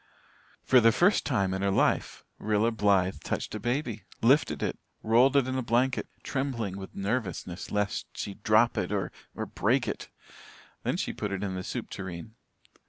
For the first time in her life Rilla Blythe touched a baby lifted it rolled it in a blanket, trembling with nervousness lest she drop it or or break it. Then she put it in the soup tureen.